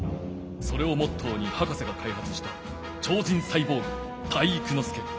それをモットーに博士がかいはつした超人サイボーグ体育ノ介。